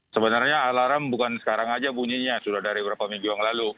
sebenarnya alarm bukan sekarang aja bunyinya sudah dari beberapa minggu yang lalu